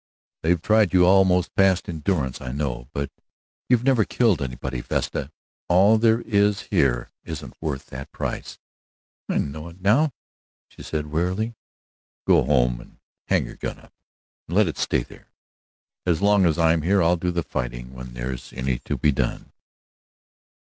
"They've tried you almost past endurance, I know. But you've never killed anybody, Vesta. All there is here isn't worth that price." "I know it now," she said, wearily. "Go home and hang your gun up, and let it stay there. As long as I'm here I'll do the fighting when there's any to be done."